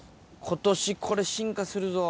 今年これ進化するぞ。